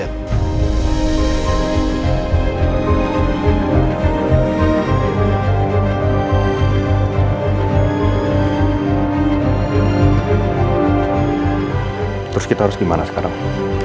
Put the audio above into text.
terus kita harus gimana sekarang